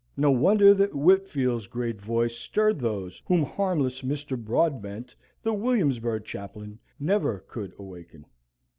No wonder that Whitfield's great voice stirred those whom harmless Mr. Broadbent, the Williamsburg chaplain, never could awaken.